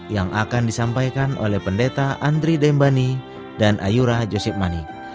yang akan disampaikan oleh pendeta andri dembani dan ayura josep manik